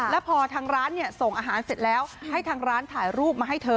แล้วพอทางร้านส่งอาหารเสร็จแล้วให้ทางร้านถ่ายรูปมาให้เธอ